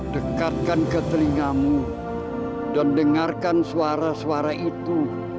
dekatkan ke telingamu dan dengarkan suara suara itu